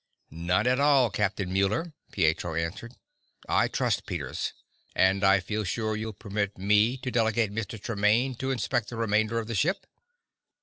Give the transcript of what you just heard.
"None at all, Captain Muller," Pietro answered. "I trust Peters. And I feel sure you'll permit me to delegate Mr. Tremaine to inspect the remainder of the ship?"